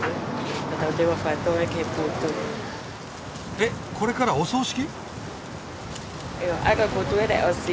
えっこれからお葬式？